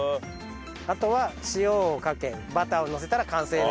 あとは塩をかけバターをのせたら完成です。